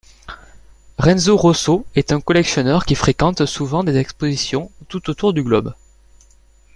Renzo Rosso est un collectionneur qui fréquente souvent des expositions tout autour du globe.